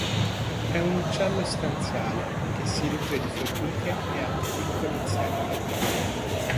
È un uccello stanziale che si nutre di formiche e altri piccoli insetti.